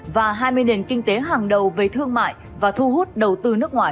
và hai mươi nền kinh tế hàng đầu về thương mại và thu hút đầu tư nước ngoài